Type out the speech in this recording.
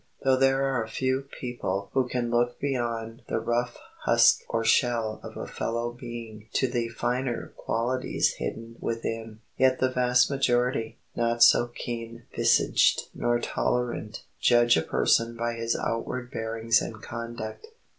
Though there are a few people who can look beyond the rough husk or shell of a fellow being to the finer qualities hidden within, yet the vast majority, not so keen visaged nor tolerant, judge a person by his outward bearings and conduct.